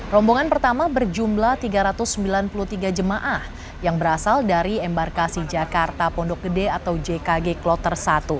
rombongan pertama berjumlah tiga ratus sembilan puluh tiga jemaah yang berasal dari embarkasi jakarta pondok gede atau jkg kloter satu